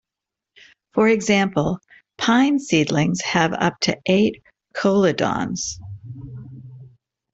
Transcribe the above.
For example, pine seedlings have up to eight cotyledons.